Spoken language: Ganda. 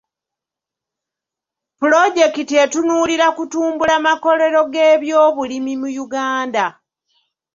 Pulojekiti etunuulira kutumbula makolero g'ebyobulimi mu Uganda.